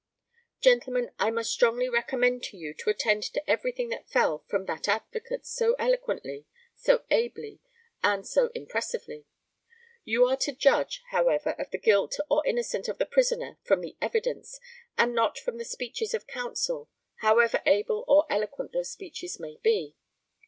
Gentlemen, I must strongly recommend to you to attend to everything that fell from that advocate, so eloquently, so ably, and so impressively. You are to judge, however, of the guilt or innocence of the prisoner from the evidence, and not from the speeches of counsel, however able or eloquent those speeches may be.